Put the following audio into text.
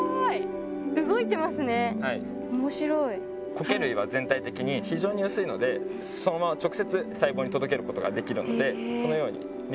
コケ類は全体的に非常に薄いのでそのまま直接細胞に届けることができるのでそのように水を取り込んでいます。